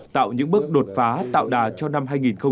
tạo những bước đột phá tạo đà cho năm hai nghìn hai mươi